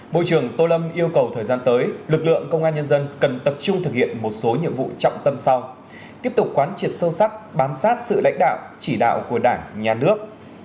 bộ trưởng tô lâm yêu cầu thời gian tới lực lượng công an nhân dân cần tập trung thực hiện một số nhiệm vụ trọng tâm sau tiếp tục quán triệt sâu sắc bám sát sự lãnh đạo chỉ đạo của đảng nhà nước